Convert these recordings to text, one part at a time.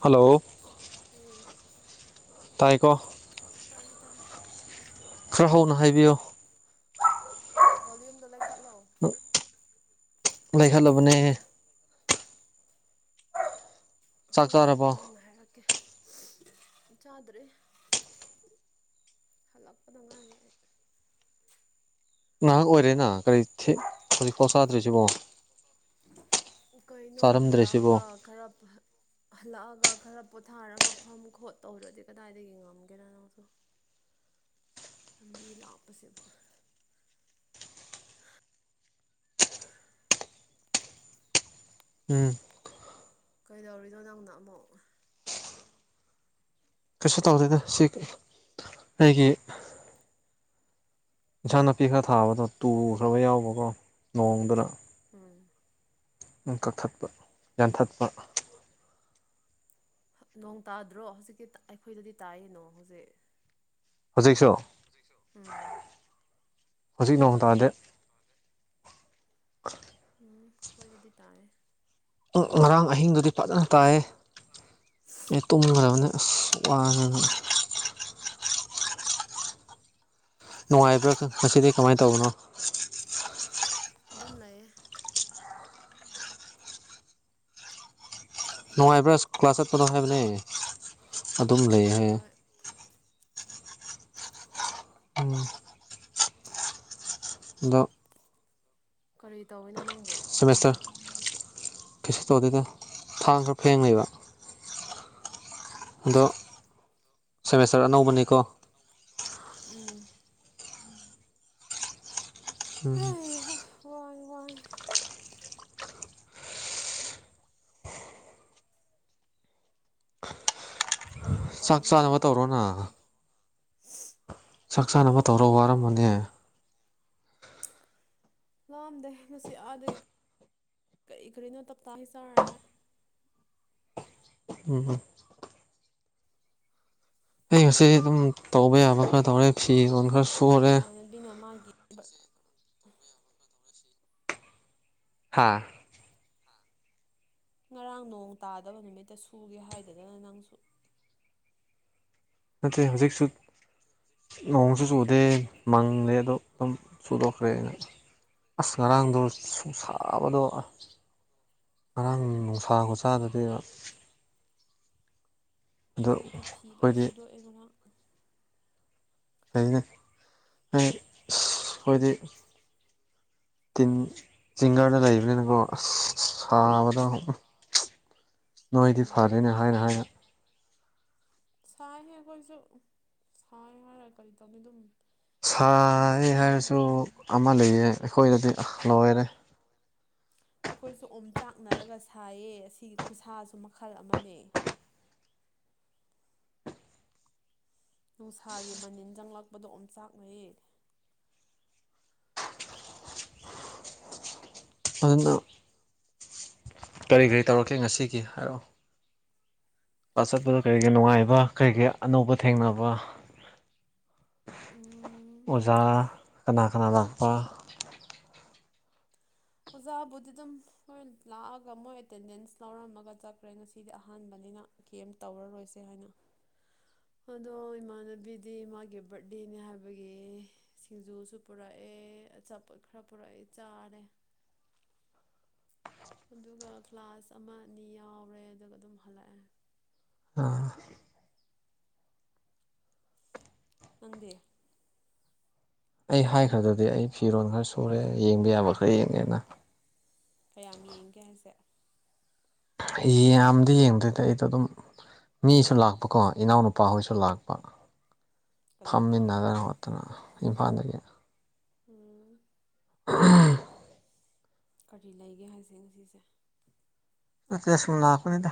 Hello ꯎꯝ ꯇꯥꯏꯀꯣ ꯇꯥꯏꯌꯦ ꯇꯥꯏ ꯈꯔ ꯍꯧꯅ ꯍꯥꯏꯕꯤꯌꯣ ꯚꯣꯂ꯭ꯌꯨꯝꯗꯣ ꯂꯩꯈꯠꯂꯣ ꯂꯩꯈꯠꯂꯕꯅꯦ ꯆꯥꯛ ꯍꯣꯏ ꯍꯣꯏ ꯆꯥꯔꯕꯣ ꯀꯟꯅ ꯍꯥꯏꯔꯛꯀꯦ ꯆꯥꯗ꯭ꯔꯤ ꯍꯜꯂꯛꯄꯗ ꯉꯥꯏꯔꯤ ꯑꯩ ꯉꯍꯥꯛ ꯑꯣꯏꯔꯦꯅ ꯀꯔꯤ ꯍꯧꯖꯤꯛꯐꯥꯎ ꯆꯥꯗ꯭ꯔꯤꯁꯤꯕꯣ ꯀꯩꯅꯣ ꯆꯥꯔꯝꯗ꯭ꯔꯤꯁꯤꯕꯣ ꯍꯜꯂꯛꯑꯒ ꯈꯔ ꯍꯜꯂꯛꯑꯒ ꯈꯔ ꯄꯣꯊꯥꯔꯒ ꯐꯝ ꯈꯣꯠ ꯇꯧꯗ꯭ꯔꯗꯤ ꯀꯗꯥꯏꯗꯒꯤ ꯉꯝꯒꯦꯔ ꯅꯪꯁꯨ ꯂꯝꯕꯤ ꯂꯥꯛꯄꯁꯦꯕ ꯎꯝ ꯀꯩꯗꯧꯔꯤꯅꯣ ꯅꯪꯅ ꯑꯃꯨꯛ ꯀꯩꯁꯨ ꯇꯧꯗꯦꯗ ꯁꯤ ꯑꯩꯒꯤ ꯏꯟꯁꯥꯡ ꯅꯥꯄꯤ ꯈꯔ ꯊꯥꯕꯗꯣ ꯇꯨꯈ꯭ꯔꯕ ꯌꯥꯎꯕꯀꯣ ꯅꯣꯡꯗꯨꯅ ꯎꯝ ꯀꯛꯊꯠꯄ ꯌꯥꯟꯊꯠꯄ ꯅꯣꯡ ꯇꯥꯗ꯭ꯔꯣ ꯍꯧꯖꯤꯛꯛꯇꯤ ꯑꯩꯈꯣꯏꯗꯗꯤ ꯇꯥꯏꯌꯦ ꯅꯣꯡ ꯍꯧꯖꯤꯛ ꯍꯧꯖꯤꯛꯁꯨ ꯍꯧꯖꯤꯛꯁꯨ ꯎꯝ ꯍꯧꯖꯤꯛ ꯅꯣꯡ ꯇꯥꯥꯗꯦ ꯎꯝ ꯈꯣꯏꯗꯗꯤ ꯇꯥꯌꯦ ꯉꯔꯥꯡ ꯑꯍꯤꯡꯗꯨꯗꯤ ꯐꯖꯅ ꯇꯥꯏꯌꯦ ꯑ ꯎꯝ ꯇꯨꯝꯈ꯭ꯔꯕꯅꯤ ꯑꯁ ꯋꯥꯗꯅ ꯅꯨꯡꯉꯥꯏꯕ꯭ꯔꯥ ꯉꯁꯤꯗꯤ ꯀꯃꯥꯏꯅ ꯇꯧꯕꯅꯣ ꯑꯗꯨꯝ ꯂꯩꯌꯦ ꯅꯨꯡꯉꯥꯏꯕ꯭ꯔꯥ ꯀ꯭ꯂꯥꯁ ꯆꯠꯄꯗꯣ ꯍꯥꯏꯕꯅꯦ ꯑꯗꯨꯝ ꯂꯩ ꯍꯥꯏꯌꯦ [unintelligible] ꯑ ꯑꯗꯣ ꯀꯔꯤ ꯇꯧꯋꯤꯅꯣ ꯅꯪꯕꯣ ꯁꯦꯃꯦꯁꯇꯔ ꯀꯩꯁꯨ ꯇꯧꯗꯦꯗ ꯊꯥꯡ ꯈꯔ ꯐꯦꯡ ꯂꯩꯕ ꯑꯗꯣ ꯁꯦꯃꯦꯁꯇꯔ ꯑꯅꯧꯕꯅꯤꯀꯣ ꯎꯝ ꯎꯝ ꯍꯩꯍꯥ ꯋꯥꯏ ꯋꯥꯏ ꯀꯩ ꯀꯩ ꯆꯥꯛ ꯇꯧꯔꯦ ꯆꯥꯅꯕ ꯉꯁꯤꯅ ꯇꯧꯔꯣꯅ ꯆꯥꯛ ꯆꯥꯔꯦ ꯆꯥꯅꯕ ꯇꯧꯔꯣ ꯍꯣꯔꯦꯟ ꯋꯥꯔꯝꯕꯅꯦ ꯂꯝꯗꯦ ꯉꯁꯤ ꯑꯗꯩ ꯀꯔꯤ ꯀꯔꯤꯅꯣ ꯇꯞ ꯇꯥ ꯉꯩ ꯆꯔ ꯂꯥꯛꯑꯦ ꯎꯝꯝ ꯑꯩ ꯉꯁꯤ ꯑꯗꯨꯝ ꯇꯧꯕ ꯌꯥꯕ ꯈꯔ ꯇꯧꯔꯦ ꯐꯤꯔꯣꯟ ꯈꯔꯁꯨ ꯏꯃꯥꯟꯅꯕꯤꯅ ꯃꯥꯒꯤ ꯍꯥꯥ ꯉꯔꯥꯡ ꯅꯣꯡ ꯇꯥꯗꯕ ꯅꯨꯃꯤꯠꯇ ꯁꯨꯒꯦ ꯍꯥꯏꯗꯗꯅ ꯅꯪꯁꯨ ꯅꯠꯇꯦ ꯍꯧꯖꯤꯛꯁꯨ ꯅꯣꯡꯁꯨ ꯆꯨꯗꯦ ꯃꯪꯗꯦ ꯑꯗꯣ ꯑꯗꯨꯝ ꯆꯨꯗꯣꯛꯈ꯭ꯔꯦ ꯑꯩꯅ ꯑꯁ ꯉꯔꯥꯡꯗꯣ ꯁꯨꯡꯁꯥꯕꯗꯣ ꯉꯔꯥꯡ ꯅꯨꯡꯁꯥ ꯈꯨꯁꯥꯗꯨꯗꯤ ꯑꯗꯣ ꯍꯥꯏꯗꯤ ꯐꯤ ꯂꯣꯏ ꯑꯩꯈꯣꯏꯗꯤ ꯁꯨꯗꯣꯛꯑꯦꯗꯅ ꯐꯩꯌꯦ ꯑꯩꯈꯣꯏꯗꯤ ꯇꯤꯟ ꯆꯤꯡꯒꯗ ꯂꯩꯕꯅꯤꯅꯀꯣ ꯑꯁ ꯁꯥꯕꯗꯣ ꯅꯣꯏꯗꯤ ꯎꯝ ꯐꯔꯦꯅꯦ ꯍꯥꯏꯅ ꯍꯥꯏꯅ ꯁꯥꯏꯍꯦ ꯑꯩꯈꯣꯏꯁꯨ ꯁꯥꯏ ꯍꯥꯏꯔꯒ ꯀꯔꯤ ꯇꯧꯅꯤ ꯑꯗꯨꯝ ꯑꯗꯨꯝ ꯁꯥꯏ ꯐꯝꯃꯦ ꯍꯥꯏꯔꯁꯨ ꯑꯃ ꯂꯩꯌꯦ ꯑꯩꯈꯣꯏꯗꯗꯤ ꯂꯣꯏꯔꯦ ꯑꯩꯈꯣꯏꯁꯨ ꯑꯣꯝ ꯆꯥꯛꯅꯔꯒ ꯁꯥꯏꯌꯦ ꯑꯁꯤꯒꯤ ꯈꯨꯁꯥꯁꯨ ꯃꯈꯜ ꯑꯃꯅꯦ ꯅꯨꯡꯁꯥꯒꯤ ꯃꯅꯤꯟ ꯆꯪꯂꯛꯄꯗꯣ ꯑꯣꯝꯆꯥꯛꯅꯩꯌꯦ ꯑꯗꯨꯅ ꯀꯔꯤ ꯀꯔꯤ ꯇꯧꯔꯛꯀꯦ ꯉꯁꯤꯒꯤ ꯍꯥꯏꯔꯛꯑꯣ ꯆꯠꯄꯗ ꯀꯔꯤꯒꯤ ꯅꯨꯡꯉꯥꯏꯕ ꯀꯔꯤꯒꯤ ꯑꯅꯧꯕ ꯊꯦꯡꯅꯕ [unintelligible] ꯎ ꯑꯣꯖꯥ ꯀꯅꯥ ꯀꯅꯥ ꯂꯥꯛꯄ ꯑꯣꯖꯥꯕꯨꯗꯤ ꯗꯨꯝ ꯍꯣꯏ ꯂꯥꯛꯑꯒ ꯃꯣꯏ ꯑꯦꯇꯦꯟꯗꯦꯟꯁ ꯂꯧꯔꯝꯃꯒ ꯆꯠꯈ꯭ꯔꯦ ꯉꯁꯤꯗꯤ ꯑꯍꯥꯟꯕꯅꯤꯅ ꯀꯦꯝ ꯇꯧꯔꯔꯣꯏꯁꯦ ꯍꯥꯏꯅ ꯑꯗꯣ ꯏꯃꯥꯟꯅꯕꯤꯗꯤ ꯃꯥꯒꯤ ꯕꯥꯔꯗꯦꯅꯦ ꯍꯥꯏꯕꯒꯤ ꯁꯤꯡꯖꯨꯁꯨ ꯄꯨꯔꯛꯑꯦ ꯑꯆꯥꯄꯣꯠ ꯈꯔ ꯄꯨꯔꯛꯑꯦ ꯆꯥꯔꯦ ꯑꯗꯨꯒ ꯀ꯭ꯂꯥꯁ ꯑꯃ ꯑꯅꯤ ꯌꯥꯎꯔꯦ ꯑꯗꯨꯒ ꯑꯗꯨꯝ ꯍꯜꯂꯛꯑꯦ ꯑꯥ ꯅꯪꯗꯤ ꯑꯩ ꯍꯥꯏꯈ꯭ꯔꯗꯨꯗꯤ ꯑꯩ ꯐꯤꯔꯣꯟ ꯈꯔ ꯁꯨꯔꯦ ꯌꯦꯡꯕ ꯌꯥꯕ ꯈꯔ ꯌꯦꯡꯉꯦꯅ ꯀꯌꯥꯝ ꯌꯦꯡꯒꯦ ꯍꯥꯏꯁꯦ ꯌꯥꯝꯗꯤ ꯌꯦꯡꯗꯦꯗ ꯑꯩꯗꯣ ꯑꯗꯨꯝ ꯃꯤꯁꯨ ꯂꯥꯛꯄꯀꯣ ꯏꯅꯥꯎꯅꯨꯄꯥꯍꯣꯏꯁꯨ ꯂꯥꯛꯄ ꯀꯗꯥꯏꯗꯒꯤ ꯐꯝꯃꯤꯟꯅꯗꯅ ꯅꯠꯇꯅ ꯏꯝꯐꯥꯜꯗꯒꯤ ꯎꯝ ꯀꯔꯤ ꯂꯩꯒꯦ ꯍꯥꯏꯁꯦ ꯉꯁꯤꯁꯦ ꯅꯇꯦ ꯁꯨꯝ ꯂꯥꯛꯄꯅꯤꯗ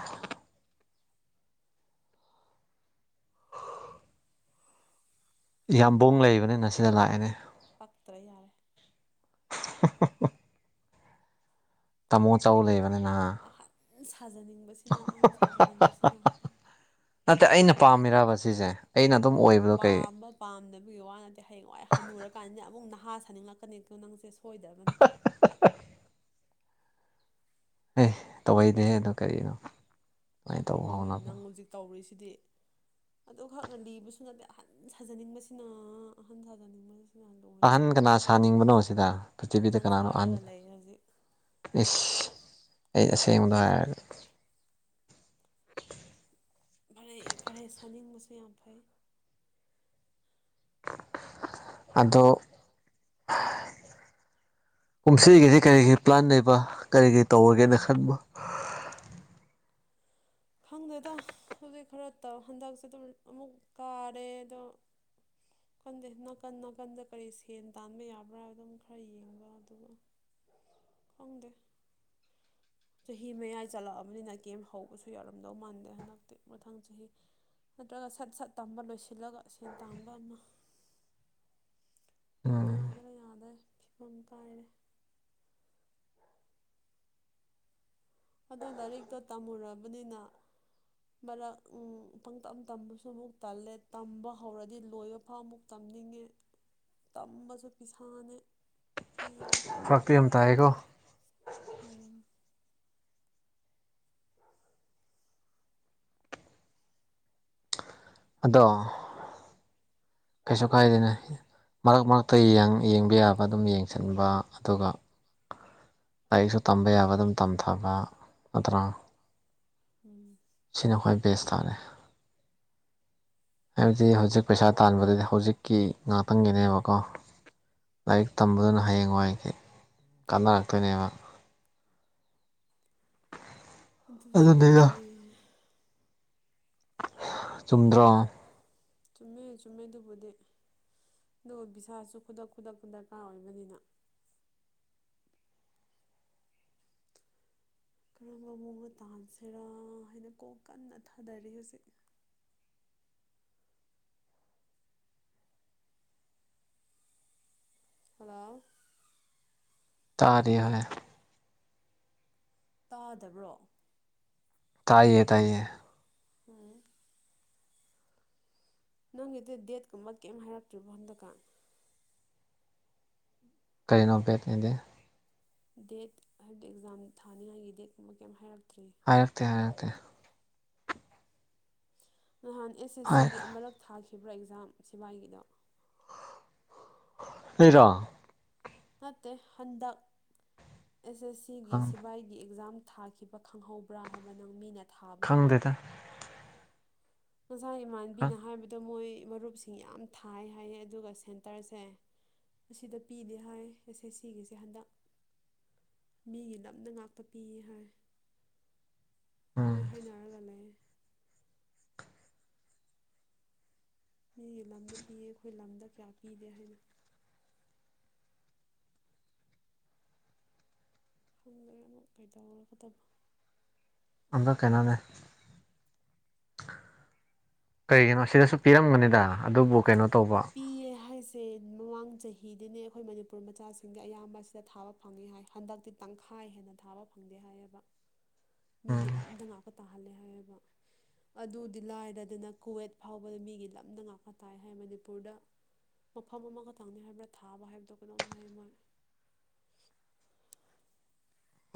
ꯌꯥꯝꯕꯨꯡ ꯂꯩꯕꯅꯤꯅ ꯁꯤꯗ ꯂꯥꯛꯏꯅꯦ ꯄꯥꯛꯇ꯭ꯔꯦ ꯌꯥꯔꯦ ꯎ ꯇꯥꯃꯣ ꯆꯧ ꯂꯩꯕꯅꯤꯅ ꯑꯍꯟ ꯁꯥꯖꯅꯤꯡꯕꯁꯤꯅ ꯑꯍꯟ ꯁꯥꯖꯅꯤꯡꯕꯁꯤꯅ ꯅꯠꯇꯦ ꯅꯠꯇ ꯑꯩꯅ ꯄꯥꯝꯃꯤꯔꯕ ꯁꯤꯁꯦ ꯑꯩꯅ ꯑꯗꯨꯝ ꯑꯣꯏꯕꯗꯣ ꯀꯩ ꯄꯥꯝꯃꯦ ꯄꯥꯝꯗꯅꯕꯒꯤ ꯋꯥ ꯅꯠꯇꯦ ꯍꯌꯦꯡꯋꯥꯏ ꯍꯟꯅꯨꯔꯀꯥꯟꯗꯅꯦ ꯑꯃꯨꯛ ꯅꯍꯥ ꯁꯥꯅꯤꯡꯂꯛꯀꯅꯤ ꯅꯪꯁꯦ ꯁꯣꯏꯗꯕꯅꯤ ꯍ ꯇꯧꯅꯦ ꯑꯗꯨꯗꯣ ꯀꯔꯤꯒꯤꯅꯣ ꯇꯧꯍꯩꯅꯦ ꯀꯥꯏ ꯅꯪ ꯍꯧꯖꯤꯛ ꯇꯧꯔꯔꯤꯁꯤꯗꯤ ꯑꯗꯨꯈꯛꯅ ꯂꯤꯕꯁꯨ ꯅꯠꯇꯦ ꯑꯍꯟ ꯁꯥꯖꯅꯤꯡꯕꯁꯤꯅ ꯑꯍꯟ ꯁꯥꯖꯅꯤꯡ ꯑꯍꯟ ꯀꯅꯥ ꯁꯥꯅꯤꯡꯕꯅꯣ ꯁꯤꯗ ꯄ꯭ꯔꯤꯊꯤꯕꯤꯗ ꯅꯪ ꯀꯅꯥꯅꯣ ꯑꯍꯟ ꯁꯥꯔꯒ ꯂꯩ ꯍꯧꯖꯤꯛ ꯏꯁ ꯑꯩ ꯑꯩꯈꯣꯏꯗꯤ ꯑꯁꯦꯡꯕꯗ ꯍꯥꯏꯔꯒꯦ ꯐꯔꯦ ꯐꯔꯦ ꯁꯥꯅꯤꯡꯕꯁꯨ ꯌꯥꯝ ꯐꯩ ꯑꯗꯣ ꯀꯨꯝꯁꯤꯒꯤꯁꯤ ꯀꯔꯤꯒꯤ ꯄ꯭ꯂꯥꯟ ꯂꯩꯕ ꯀꯔꯤꯒꯤꯔꯤ ꯇꯧꯔꯒꯦꯅ ꯈꯟꯕ ꯈꯪꯗꯦꯗ ꯍꯧꯖꯤꯛ ꯈꯔ ꯇꯧ ꯍꯟꯗꯛꯁꯦ ꯑꯗꯨꯝ ꯑꯃꯨꯛ ꯀꯥꯔꯦ ꯑꯗꯣ ꯅꯥꯀꯟꯗꯦ ꯅꯥꯀꯟ ꯅꯥꯀꯟꯗ ꯀꯔꯤ ꯁꯦꯟ ꯇꯥꯟꯕ ꯌꯥꯕ꯭ꯔꯥ ꯑꯗꯨꯝ ꯈꯔ ꯌꯦꯡꯕ ꯑꯗꯨꯒ ꯐꯪꯗꯦ ꯆꯍꯤ ꯃꯌꯥꯏ ꯆꯠꯂꯛꯑꯕꯅꯤꯅ ꯒꯦꯝ ꯍꯧꯕꯁꯨ ꯌꯥꯔꯝꯗꯧ ꯃꯥꯟꯗꯦ ꯍꯟꯗꯛꯇꯤ ꯃꯊꯪ ꯆꯍꯤ ꯅꯠꯇ꯭ꯔꯒ ꯁꯠ ꯁꯠ ꯇꯝꯕ ꯂꯣꯏꯁꯤꯜꯂꯒ ꯁꯦꯟ ꯇꯥꯟꯕ ꯑꯃ [inaudible] ꯌꯥꯗ꯭ꯔꯥ ꯌꯥꯗ꯭ꯔꯦ ꯐꯤꯕꯝ ꯀꯥꯏꯔꯦ ꯑꯗꯣ ꯂꯥꯏꯔꯤꯛꯇꯣ ꯇꯝꯃꯨꯔꯕꯅꯤꯅ ꯃꯔꯛ ꯑ ꯄꯪꯇꯝ ꯇꯝꯕꯁꯨ ꯑꯃꯨꯛ ꯇꯜꯂꯦ ꯇꯝꯕ ꯍꯧꯔꯗꯤ ꯂꯣꯏꯕ ꯐꯥꯎ ꯑꯃꯨꯛ ꯇꯝꯅꯤꯡꯉꯦ ꯇꯝꯕꯁꯨ ꯄꯤꯁꯥꯅꯦ ꯄꯦꯜꯂꯦ ꯐꯔꯛꯇꯤ ꯌꯝ ꯇꯥꯏꯀꯣ ꯎꯝ ꯑꯗꯣ ꯀꯩꯁꯨ ꯀꯥꯏꯗꯦꯅ ꯃꯔꯛ ꯃꯔꯛꯇ ꯌꯦꯡ ꯌꯦꯡꯕ ꯌꯥꯕ ꯑꯗꯨꯝ ꯌꯦꯡꯁꯤꯟꯕ ꯑꯗꯨꯒ ꯂꯥꯏꯔꯤꯛꯁꯨ ꯇꯝꯕ ꯌꯥꯕ ꯑꯗꯨꯝ ꯇꯝꯊꯕ ꯅꯠꯇ꯭ꯔꯥ? ꯎꯝ ꯁꯤꯅ ꯈ꯭ꯋꯥꯏ ꯕꯦꯁ ꯇꯥꯔꯦ ꯍꯥꯏꯕꯗꯤ ꯍꯧꯖꯤꯛ ꯄꯩꯁꯥ ꯇꯥꯟꯕꯗꯗꯤ ꯍꯧꯖꯤꯛ ꯀꯤ ꯉꯥꯛꯇꯪꯒꯤꯅꯦꯕꯀꯣ ꯂꯥꯏꯔꯤꯛ ꯇꯝꯕꯗꯨꯅ ꯍꯌꯦꯡꯋꯥꯏꯒꯤ ꯀꯥꯟꯅꯔꯛꯇꯣꯏꯅꯦꯕ꯫ ꯑꯗꯨꯁꯨ ꯑꯗꯨꯅꯤꯗ ꯑꯗꯨꯅꯦ ꯆꯨꯝꯗ꯭ꯔꯣ? ꯆꯨꯝꯃꯦ ꯆꯨꯝꯃꯦꯗꯨꯕꯨꯗꯤ ꯗꯨꯒ ꯕꯤꯁꯥꯁꯨ ꯈꯨꯗꯛ ꯈꯨꯗꯛꯀꯗ ꯄꯥꯃꯕꯅꯤꯅ ꯀꯔꯝꯕ ꯃꯑꯣꯡꯗ ꯇꯥꯟꯁꯤꯔꯥ ꯍꯥꯏꯅ ꯀꯣꯛ ꯀꯟꯅ ꯊꯥꯗꯔꯤ ꯍꯧꯖꯤꯛ ꯍꯜꯂꯣ ꯇꯥꯗꯦ ꯍꯦ ꯇꯥꯗꯕ꯭ꯔꯣ? ꯇꯥꯏꯌꯦ ꯇꯥꯏꯌꯦ ꯍꯝ ꯅꯪꯒꯤꯗꯤ ꯗꯦꯠꯀꯨꯝꯕ ꯀꯩꯝ ꯍꯥꯏꯔꯛꯇ꯭ꯔꯤꯕ ꯍꯟꯗꯛꯀ ꯀꯩꯅꯦ ꯕꯦꯠ ꯑꯗꯤ ꯗꯦꯠ ꯍꯥꯏꯕꯗꯤ ꯑꯦꯛꯖꯥꯝ ꯊꯥꯅꯤꯡꯉꯥꯏꯒꯤ ꯗꯦꯠꯀꯨꯝꯕ ꯀꯩꯝ ꯍꯥꯏꯔꯛꯇ꯭ꯔꯤ ꯍꯥꯏꯔꯛꯇꯦ ꯍꯥꯏꯔꯛꯇꯦ ꯅꯍꯥꯟ ꯑꯦꯁ ꯑꯦꯁ ꯍꯥꯏ ꯁꯤꯒꯤ ꯑꯃꯔꯛ ꯊꯥꯈꯤꯕ꯭ꯔꯥ ꯑꯦꯛꯖꯥꯝ ꯁꯤꯕꯥꯏꯒꯤꯗꯣ? [unintelligible] ꯅꯠꯇꯦ ꯍꯟꯗꯛ ꯑꯦꯁ ꯑꯦꯁ ꯁꯤꯒꯤ ꯁꯤꯚꯥꯏ ꯒꯤ ꯑꯦꯛꯖꯥꯝ ꯊꯥꯈꯤꯕ ꯈꯪꯍꯧꯕ꯭ꯔꯥ ꯍꯥꯏꯕ ꯅꯪ ꯃꯤꯅ ꯊꯥꯕ ꯈꯪꯗꯦꯗ ꯉꯁꯥꯏ ꯏꯃꯥꯟꯕꯤꯅ ꯍꯥꯏꯕꯗꯣ ꯃꯣꯏ ꯃꯔꯨꯞꯁꯤꯡ ꯌꯥꯝ ꯊꯥꯏ ꯍꯥꯏꯌꯦ ꯑꯗꯨꯒ ꯁꯦꯟꯇꯔꯁꯦ ꯑꯁꯤꯗ ꯄꯤꯗꯦ ꯍꯥꯏ ꯑꯦꯁ ꯑꯦꯁ ꯁꯤꯒꯤꯁꯦ ꯍꯟꯗꯛ ꯃꯤꯒꯤ ꯅꯝꯅ ꯉꯥꯛꯄ ꯄꯤꯌꯦ ꯍꯥꯏ ꯎꯝ ꯑꯗꯨꯃꯥꯏꯅ ꯍꯥꯏꯅꯔꯒ ꯂꯩ꯫ ꯃꯤꯒꯤ ꯂꯝꯗ ꯄꯤꯌꯦ ꯑꯩꯈꯣꯏ ꯂꯝꯗ ꯀꯌꯥ ꯄꯤꯗꯦ ꯍꯥꯏꯅ꯫ ꯈꯪꯗꯦ ꯑꯃꯨꯛ ꯀꯩꯗꯧꯔꯒꯗꯕ ꯑꯝꯗ ꯀꯅꯥꯅ ꯀꯩꯒꯤꯅꯣ ꯁꯤꯗꯁꯨ ꯄꯤꯔꯝꯒꯅꯤꯗ ꯑꯗꯨꯕꯨ ꯀꯩꯅꯣ ꯇꯧꯕ ꯍꯦ ꯃꯃꯥꯡ ꯆꯍꯤꯗꯤꯅꯦ ꯑꯩꯈꯣꯏ ꯃꯅꯤꯄꯨꯔ ꯃꯆꯥꯁꯤꯡꯅ ꯑꯌꯥꯝꯕ ꯁꯤꯗ ꯊꯥꯕ ꯐꯪꯉꯦ ꯍꯥꯏ ꯍꯟꯗꯛꯇꯤ ꯇꯪꯈꯥꯏ ꯍꯦꯟꯅ ꯊꯥꯕ ꯐꯪꯗꯦ ꯍꯥꯏꯌꯦꯕ ꯃꯤꯒꯤ ꯎꯝ ꯂꯝꯗ ꯉꯥꯛꯀ ꯇꯥꯍꯜꯂꯦ ꯍꯥꯏꯕ꯫ ꯑꯗꯨꯗꯤ ꯂꯥꯏꯔꯗꯅ ꯀꯨꯋꯦꯠ ꯐꯥꯎꯕ ꯃꯤꯒꯤ ꯂꯝꯅ ꯉꯥꯛꯀ ꯇꯥꯏ ꯍꯥꯏ ꯃꯅꯤꯄꯨꯔꯗ ꯃꯐꯝ ꯑꯃꯈꯇꯪꯅꯤ ꯍꯥꯏꯕ꯭ꯔꯥ ꯊꯥꯕ ꯍꯥꯏꯕꯗꯣ ꯀꯩꯅꯝ ꯍꯥꯏ ꯃꯣꯏ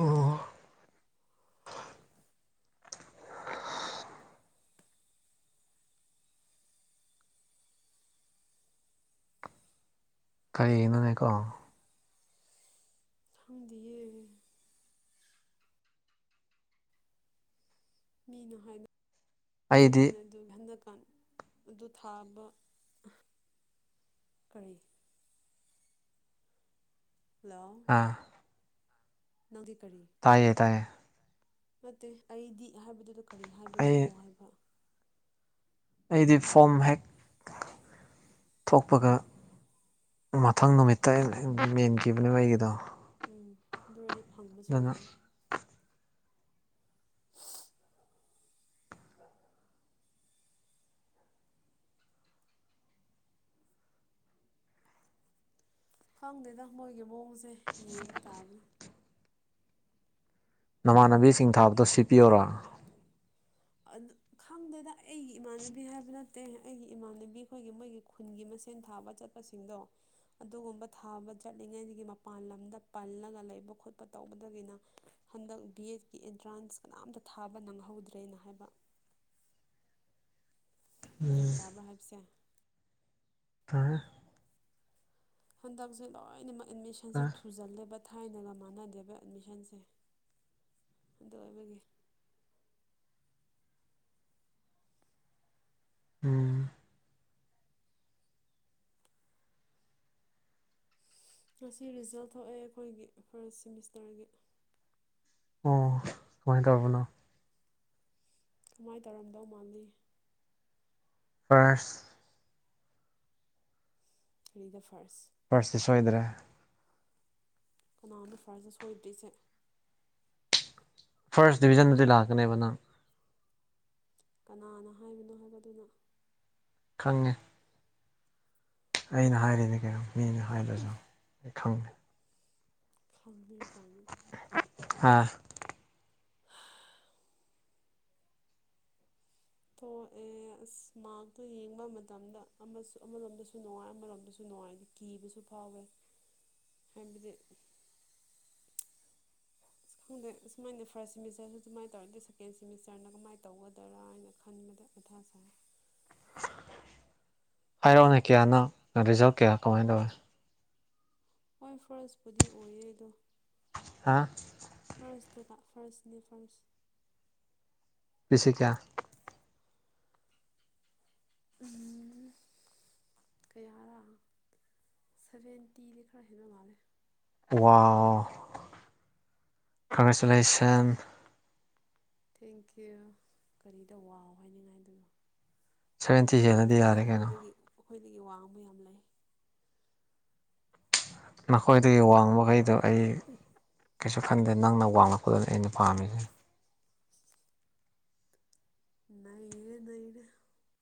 ꯑꯣ ꯀꯔꯤꯅꯣꯅꯦꯀꯣ ꯈꯪꯗꯦꯌꯦ ꯃꯤꯅ ꯍꯥꯏꯅ ꯑꯩꯗꯤ ꯍꯥꯏꯅꯕꯅꯦ ꯑꯗꯨ ꯍꯟꯗꯛꯀꯥꯟ ꯑꯗꯨ ꯊꯥꯕ ꯀꯔꯤ ꯍꯜꯂꯣ ꯑ ꯅꯪꯒꯤ ꯀꯔꯤ ꯇꯥꯏꯌꯦ ꯇꯥꯏꯌꯦ ꯅꯠꯇꯦ ꯑꯩꯗꯤ ꯍꯥꯏꯕꯗꯨꯗ ꯀꯔꯤ ꯍꯥꯏꯕꯅꯣ ꯑꯩ ꯍꯥꯏꯕ ꯑꯩꯗꯤ ꯐꯣꯝ ꯍꯦꯛ ꯊꯣꯛꯄꯒ ꯃꯊꯪ ꯅꯨꯃꯤꯠꯇꯝ ꯌꯦꯟꯈꯤꯕꯅꯦꯕ ꯑꯩꯒꯤꯗꯣ ꯎꯝ ꯑꯗꯨ ꯑꯣꯏꯔꯗꯤ ꯐꯪꯕꯁꯨ ꯑꯗꯨꯅ ꯌꯥꯏꯌꯦ [unintelligible] ꯈꯪꯗꯦꯗ ꯃꯣꯏꯒꯤ ꯃꯑꯣꯡꯁꯦ ꯌꯦꯡꯕ ꯇꯥꯕꯅꯦ ꯅꯃꯥꯟꯅꯕꯤꯁꯤꯡ ꯊꯥꯕꯗꯣ ꯁꯤꯠꯄꯤꯌꯣꯔ ꯑꯗꯨ ꯑꯗꯨ ꯈꯪꯗꯅ ꯑꯩꯒꯤ ꯏꯃꯥꯟꯅꯕꯤ ꯍꯥꯏꯕ ꯅꯠꯇꯦ ꯑꯩꯒꯤ ꯏꯃꯥꯟꯅꯕꯤ ꯑꯩꯈꯣꯏꯒꯤ ꯃꯣꯏꯒꯤ ꯈꯨꯟꯒꯤ ꯃꯁꯦꯟ ꯊꯥꯕ ꯆꯠ ꯇꯁꯤꯡꯁꯤꯡꯗꯣ ꯑꯗꯨꯒꯨꯝꯕ ꯊꯥꯕ ꯆꯠꯂꯤꯉꯩꯗꯒꯤ ꯃꯄꯥꯟ ꯂꯝꯗ ꯄꯜꯂꯒ ꯂꯩꯕ ꯈꯣꯠꯄ ꯇꯧꯕꯗꯒꯤꯅ ꯍꯟꯗꯛ ꯕꯤ ꯑꯦꯗꯀꯤ ꯑꯦꯟꯇ꯭ꯔꯥꯟꯁ ꯀꯅꯥꯝꯇ ꯊꯥꯕ ꯅꯪꯍꯧꯗ꯭ꯔꯦꯅ ꯍꯥꯏꯕ ꯎꯝ ꯒ꯭ꯌꯥꯟ ꯇꯥꯕ꯭ꯔꯥ ꯍꯥꯏꯕꯁꯦ [inaudible] ꯍꯟꯗꯛꯁꯦ ꯂꯣꯏꯅꯃꯛ ꯑꯦꯠꯃꯤꯁꯟꯁꯦ ꯐꯔꯦ ꯊꯨꯖꯜꯂꯦ ꯕꯠ ꯊꯥꯏꯅꯒ ꯃꯥꯟꯅꯗꯦꯕ ꯑꯦꯠꯃꯤꯁꯟꯁꯦ ꯑꯗꯨ ꯑꯣꯏꯕꯒꯤ ꯎꯝ ꯉꯁꯤ ꯔꯤꯖꯜ ꯊꯣꯛꯑꯦ ꯑꯩꯈꯣꯏꯒꯤ ꯐꯥꯔꯁ ꯁꯤꯦꯃꯤꯁꯇꯔꯒꯤ ꯑꯣ ꯀꯃꯥꯏꯅ ꯇꯧꯔꯕꯅꯣ ꯀꯃꯥꯏꯅ ꯇꯧꯔꯝꯗꯧ ꯃꯥꯜꯂꯤ ꯐꯔꯦꯁ ꯀ꯭ꯂꯥꯁ ꯔꯤ ꯗ ꯐꯥꯔꯁ ꯄꯥꯔꯁꯇꯤ ꯁꯣꯏꯗ꯭ꯔꯦ ꯀꯅꯥꯅ ꯐꯔꯁ ꯁꯣꯏꯗ꯭ꯔꯤꯁꯦ ꯐꯥꯔꯁ ꯗꯤꯕꯤꯖꯟꯗꯗꯤ ꯂꯥꯛꯀꯅꯦꯕ ꯅꯪ ꯀꯅꯥꯅ ꯍꯥꯏꯕꯅꯣ ꯍꯥꯏꯕꯗꯨꯅ ꯈꯪꯉꯤ ꯑꯩꯅ ꯍꯥꯏꯔꯤꯅꯤ ꯀꯩꯅꯣ ꯃꯤꯅ ꯍꯥꯏꯔꯁꯨ ꯑꯩ ꯈꯪꯗꯦ ꯈꯪꯉꯦ ꯀꯥꯏꯅ ꯑꯁ ꯊꯣꯛꯑꯦ ꯑꯁ ꯃꯔꯛꯇꯣ ꯌꯦꯡꯕ ꯃꯇꯝꯗ ꯑꯃꯁꯨ ꯑꯃꯔꯣꯝꯗꯁꯨ ꯅꯨꯡꯉꯥꯏ ꯑꯃꯔꯣꯝꯗꯁꯨ ꯅꯨꯡꯉꯥꯏꯅꯤ ꯀꯤꯕꯁꯨ ꯐꯥꯎꯋꯦ [unintelligible] ꯍꯥꯏꯕꯗꯤ ꯑꯁ ꯈꯪꯗꯦ ꯑꯁꯨꯃꯥꯏꯅ ꯐꯥꯔꯁ ꯁꯦꯃꯤꯁꯇꯔꯁꯨ ꯁꯨꯃꯥꯏꯅ ꯇꯧꯔꯗꯤ ꯁꯦꯀꯦꯟ ꯁꯦꯃꯤꯁꯇꯔꯅ ꯀꯃꯥꯏꯅ ꯇꯧꯒꯗꯔꯥ ꯍꯥꯏꯅ ꯈꯟꯕꯗ ꯀꯊꯥ ꯁꯥ ꯍꯥꯏꯔꯛꯑꯣꯅꯦ ꯀꯌꯥꯅꯣ ꯔꯤꯖꯜ ꯀꯌꯥ ꯀꯃꯥꯏꯅ ꯇꯧꯏꯤ ꯍꯣꯏ ꯐꯥꯔꯁꯄꯨꯗꯤ ꯑꯣꯏꯌꯦꯦꯗꯣ ꯍꯥ ꯐꯔꯁꯇ ꯐꯔꯁꯅꯦ ꯐꯔꯁ ꯁꯤ ꯀꯌꯥ ꯁꯤ ꯎꯝ ꯀꯌꯥꯔꯥ ꯁꯚꯦꯟꯇꯤꯗꯤ ꯈꯔ ꯍꯦꯟꯕ ꯃꯥꯜꯂꯦ ꯋꯥ ꯀꯪꯒ꯭ꯔꯦꯆꯨꯂꯦꯁꯟ ꯊꯦꯡꯀ꯭ꯌꯨ ꯀꯔꯤꯗ ꯋꯥꯑꯣ ꯍꯥꯏꯅꯤꯡꯉꯥꯏꯗꯨꯅꯣ ꯁꯚꯦꯟꯇꯤ ꯑꯩꯈꯣꯏꯗꯒꯤ ꯍꯦꯜꯂꯗꯤ ꯌꯥꯔꯦ ꯀꯩꯅꯣ ꯑꯩꯈꯣꯏꯗꯒꯤ ꯑꯩꯈꯣꯏꯗꯒꯤ ꯋꯥꯡꯕ ꯌꯥꯝ ꯂꯩ ꯅꯈꯣꯏꯗꯒꯤ ꯋꯥꯡꯕꯈꯩꯗꯣ ꯑꯩ ꯀꯩꯁꯨ ꯈꯟꯗꯦ ꯅꯪꯅ ꯋꯥꯡꯂꯛꯄꯗꯅ ꯑꯩꯅ ꯄꯥꯝꯃꯤꯁꯦ ꯅꯩꯅꯦ ꯅꯩꯔ